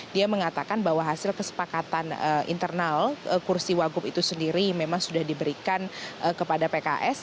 dia mengatakan bahwa hasil kesepakatan internal kursi wagup itu sendiri memang sudah diberikan kepada pks